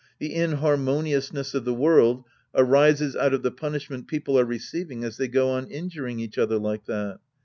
The inharmoniousness of the world arises out of the punishment people are receiving as they go on injur ing each other like that.